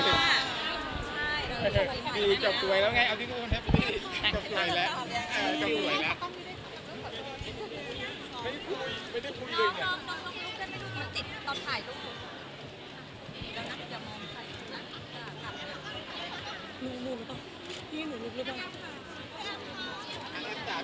เออแล้วแฮปปี้ครับ